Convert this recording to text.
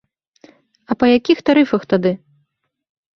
А па якіх тарыфах тады?